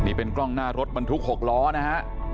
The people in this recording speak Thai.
นี่เป็นกล้องหน้ารถบรรทุก๖ล้อนะฮะ